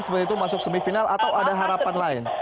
seperti itu masuk semifinal atau ada harapan lain